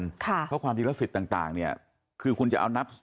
เพราะความจริงแล้วสิทธิ์ต่างเนี่ยคือคุณจะเอานับ